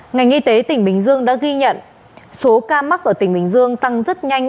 ngành y tế tỉnh bình dương đã ghi nhận số ca mắc ở tỉnh bình dương tăng rất nhanh